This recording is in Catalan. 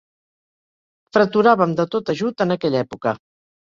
Freturàvem de tot ajut, en aquella època.